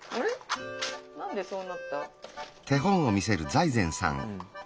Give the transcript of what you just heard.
何でそうなった？